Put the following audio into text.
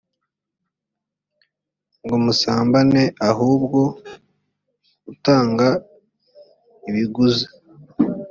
ngo musambane ahubwo utanga ibiguzi